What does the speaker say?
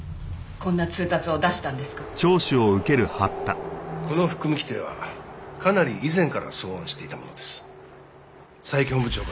この服務規程はかなり以前から草案していたものです。